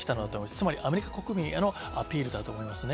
つまりアメリカ国民へのアピールだと思います。